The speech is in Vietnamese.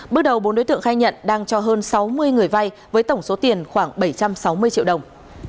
bước đầu bốn đối tượng khai nhận đang cho hơn sáu mươi người vay với tổng số tiền khoảng bảy trăm sáu mươi triệu đồng